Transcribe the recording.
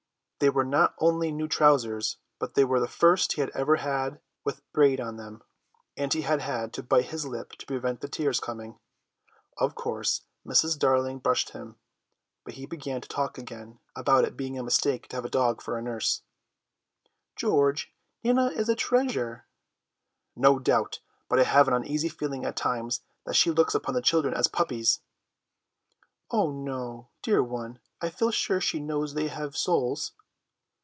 They were not only new trousers, but they were the first he had ever had with braid on them, and he had had to bite his lip to prevent the tears coming. Of course Mrs. Darling brushed him, but he began to talk again about its being a mistake to have a dog for a nurse. "George, Nana is a treasure." "No doubt, but I have an uneasy feeling at times that she looks upon the children as puppies." "Oh no, dear one, I feel sure she knows they have souls."